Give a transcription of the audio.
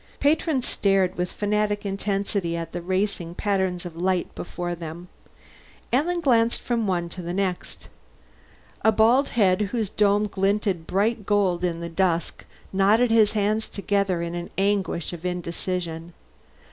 Patrons stared with fanatic intensity at the racing pattern of lights before them. Alan glanced from one to the next. A baldhead whose dome glinted bright gold in the dusk knotted his hands together in an anguish of indecision.